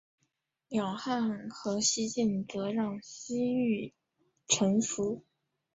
两汉和西晋则让西域臣服。